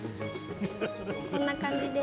こんな感じです。